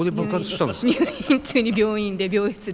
入院中に病院で病室で。